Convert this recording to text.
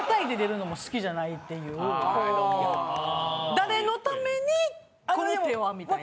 誰のためにこの手はみたいな。